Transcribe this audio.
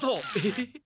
えっ？